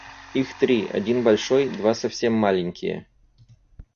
Их три: один большой, два совсем маленькие